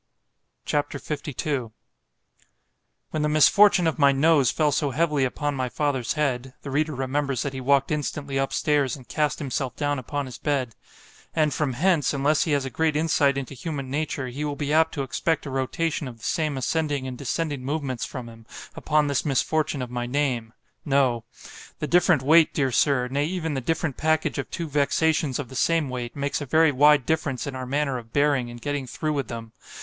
C H A P. LII WHEN the misfortune of my Nose fell so heavily upon my father's head;—the reader remembers that he walked instantly up stairs, and cast himself down upon his bed; and from hence, unless he has a great insight into human nature, he will be apt to expect a rotation of the same ascending and descending movements from him, upon this misfortune of my NAME;—no. The different weight, dear Sir——nay even the different package of two vexations of the same weight——makes a very wide difference in our manner of bearing and getting through with them.